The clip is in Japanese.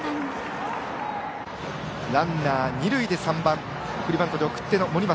ランナー、二塁で３番送りバントで送って、森松。